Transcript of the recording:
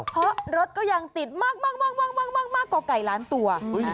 เพราะรถก็ยังติดมากกว่าไก่ล้านตัว